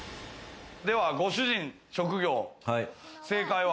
ではご主人、職業、正解は。